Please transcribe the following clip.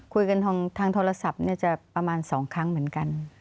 คุยกันทางโทรศัพท์จะประมาณ๒ครั้งเหมือนกัน